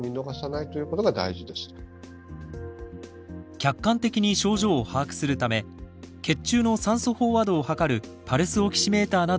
客観的に症状を把握するため血中の酸素飽和度を測るパルスオキシメーターなどを活用してください。